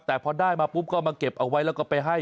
แต่พอได้มาปุ๊บก็มาเก็บเอาไว้แล้วก็ไปให้